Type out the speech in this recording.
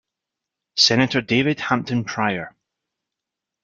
Senator David Hampton Pryor.